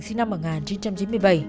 sinh năm một nghìn chín trăm chín mươi bảy